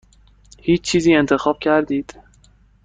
هیچ چیزی انتخاب کردید؟